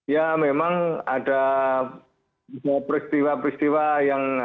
ya memang ada peristiwa peristiwa yang